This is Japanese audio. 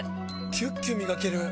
キュッキュ磨ける！